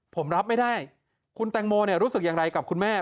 ผมรับไม่ได้คุณแตงโมรู้สึกอย่างไรกับคุณแม่